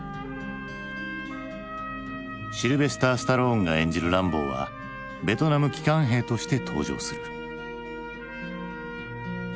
シルベスター・スタローンが演じるランボーはベトナム帰還兵として登場する。